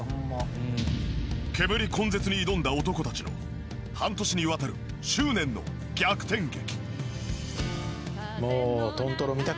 煙根絶に挑んだ男たちの半年にわたる執念の逆転劇。